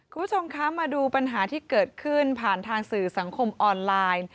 คุณผู้ชมคะมาดูปัญหาที่เกิดขึ้นผ่านทางสื่อสังคมออนไลน์